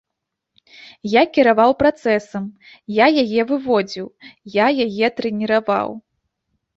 Я кіраваў працэсам, я яе выводзіў, я яе трэніраваў.